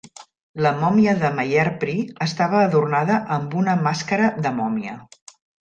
La mòmia de Maiherpri estava adornada amb una màscara de mòmia.